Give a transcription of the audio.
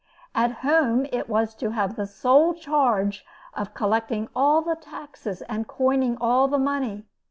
At home, it was to have the sole charge of collecting all the taxes and coining all the money.